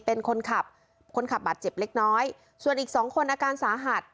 เป็นคนขับคนขับบาดเจ็บเล็กน้อยส่วนอีกสองคนอาการสาหัส